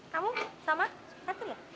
kamu sama satria